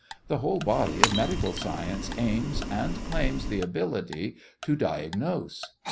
The whole body of medical science aims, and claims the ability, to diagnose.